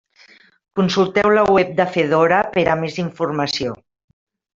Consulteu la web de Fedora per a més informació.